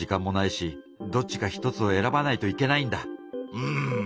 うん。